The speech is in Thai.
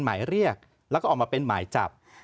หมายเรียกแล้วก็ออกมาเป็นหมายจับ